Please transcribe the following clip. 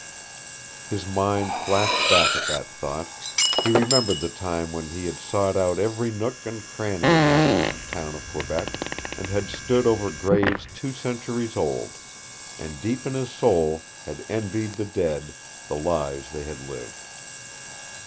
His mind flashed back at that thought: he remembered the time when he had sought out every nook and cranny of that ancient town of Quebec, and had stood over graves two centuries old, and deep in his soul had envied the dead the lives they had lived.